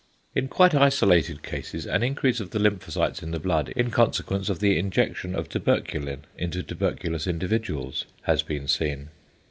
In quite isolated cases, an increase of the lymphocytes in the blood in consequence of the injection of tuberculin into tuberculous individuals has been seen.